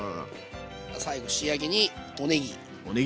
最後仕上げにおねぎ。